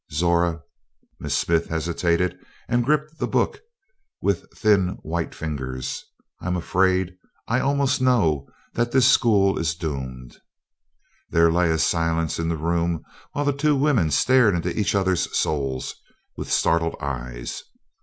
Zora," Miss Smith hesitated and gripped the book with thin white fingers, "I'm afraid I almost know that this school is doomed." There lay a silence in the room while the two women stared into each other's souls with startled eyes.